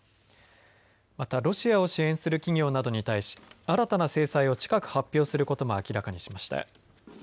また、ロシアを支援する企業などに対し新たな制裁を近く発表することも明らかにしました。